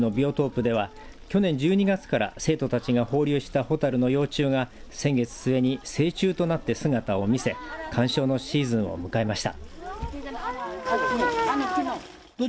高校の中庭にある広さ２７平方メートルの生息地のビオトープでは去年１２月から生徒たちが放流した蛍の幼虫が先月末に成虫となって姿を見せ鑑賞のシーズンを迎えました。